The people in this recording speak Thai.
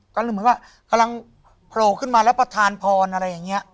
ก็เลยเหมือนว่ากำลังโผล่ขึ้นมาแล้วประธานพรอะไรอย่างนี้